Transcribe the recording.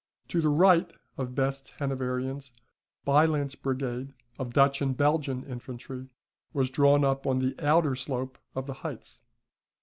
To the right of Best's Hanoverians, Bylandt's brigade of Dutch and Belgian infantry was drawn up on the outer slope of the heights.